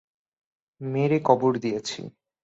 মেরে কবর দিয়েছি।